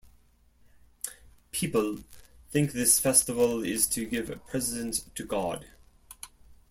People think this festival is to give presents to God.